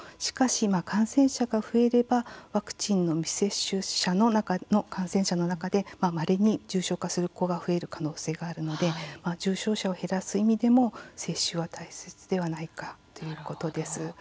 しかし、感染者が増えればワクチンの未接種の感染者の中でまれに重症化する子が増える可能性があるので重症者を減らす意味でも接種は大切ではないかということです。